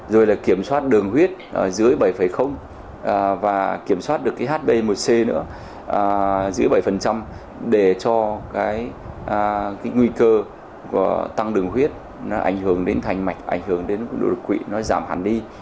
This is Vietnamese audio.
rồi là kiểm soát đường huyết ở dưới bảy và kiểm soát được cái hb một c nữa giữ bảy để cho cái cái nguy cơ của tăng đường huyết nó ảnh hưởng đến thành mạch ảnh hưởng đến độ độc quỵ nó giảm hẳn đi